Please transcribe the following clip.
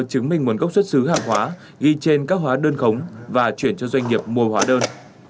chứng minh nguồn gốc xuất xứ hàng hóa ghi trên các hóa đơn khống và chuyển cho doanh nghiệp mua hóa đơn